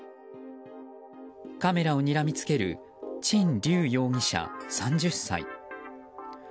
カメラをにらみつけるチン・リュウ容疑者、３０歳。